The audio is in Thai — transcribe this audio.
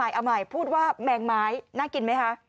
เอาใหม่พูดว่าแมงไม้น่ากินไหมคะ